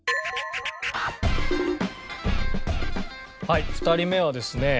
はい２人目はですね